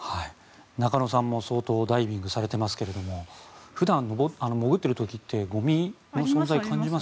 中野さんも相当ダイビングされていますが普段、潜っている時ってゴミの存在感じます？